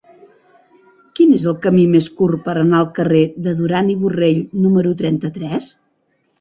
Quin és el camí més curt per anar al carrer de Duran i Borrell número trenta-tres?